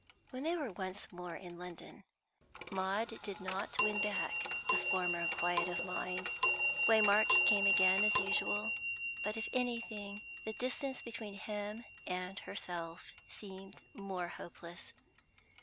When they were once more in London, Maud did not win back the former quiet of mind. Waymark came again as usual, but if anything the distance between him and herself seemed more hopeless.